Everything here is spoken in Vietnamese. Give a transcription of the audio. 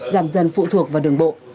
giảm dần phụ thuộc vào đường bộ